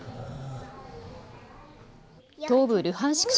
東部ルハンシク